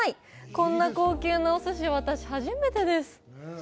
こんな高級なおすし、私初めてです。